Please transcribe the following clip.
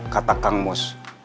kata kang mus